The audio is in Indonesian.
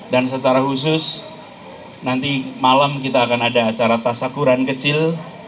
dan secara khusus nanti malam kita akan ada acara tasakuran kecil